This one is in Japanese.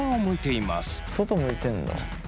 外向いてんだ。